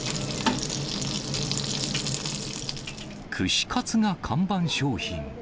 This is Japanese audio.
串カツが看板商品。